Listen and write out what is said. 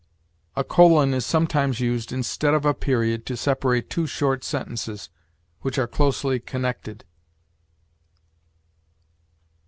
A colon is sometimes used instead of a period to separate two short sentences, which are closely connected.